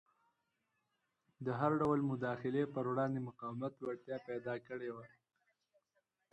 د هر ډول مداخلې پر وړاندې مقاومت وړتیا پیدا کړې وه.